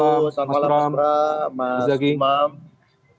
waalaikumsalam selamat datang selamat malam mas ram mas umam